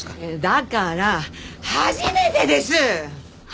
だから初めてです！